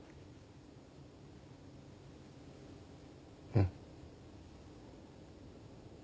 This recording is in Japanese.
うん。